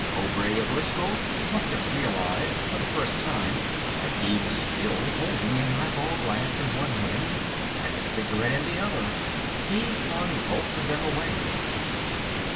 Obray of Erskyll must have realized, for the first time, that he was still holding a highball glass in one hand and a cigarette in the other. He flung both of them away.